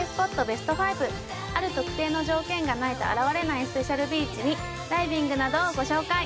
ベスト５ある特定の条件がないと現れないスペシャルビーチにダイビングなどをご紹介！